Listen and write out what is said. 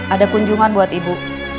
ada kunjungan buat ibu